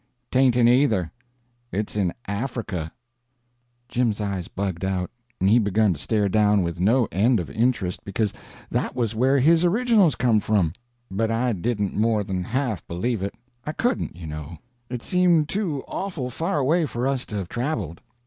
"'Tain't in either; it's in Africa." Jim's eyes bugged out, and he begun to stare down with no end of interest, because that was where his originals come from; but I didn't more than half believe it. I couldn't, you know; it seemed too awful far away for us to have traveled.